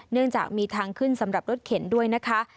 เนื่องจากมีทางขึ้นสำหรับรถเข็นด้วยนะคะ